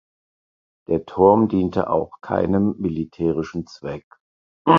Der Turm diente auch keinem militärischen Zweck.